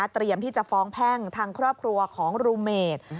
เตรียมที่จะฟ้องแพ่งทางครอบครัวของรูเมด